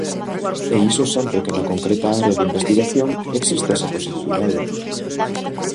E iso sempre que na concreta área de investigación exista esa posibilidade.